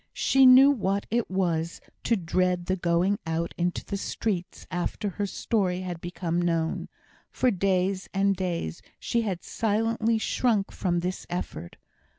She knew what it was to dread the going out into the streets after her story had become known. For days and days she had silently shrunk from this effort.